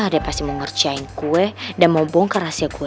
dia pasti mau ngerjain gue dan mau bongkar rahasia gue